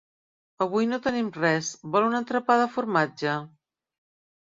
Avui no tenim res, vol un entrepà de formatge?